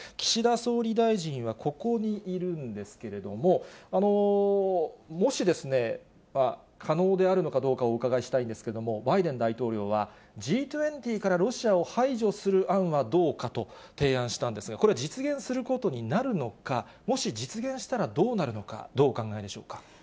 岸田総理大臣はここにいるんですけれども、もし、可能であるのかどうかをお伺いしたいんですけれども、バイデン大統領は、Ｇ２０からロシアを排除する案はどうかと提案したんですが、これは実現することになるのか、もし実現したらどうなるのか、どうお考えでしょうか。